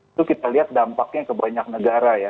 itu kita lihat dampaknya kebanyak negara ya